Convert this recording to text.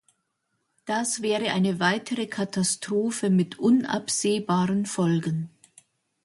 Das wäre eine weitere Katastrophe mit unabsehbaren Folgen.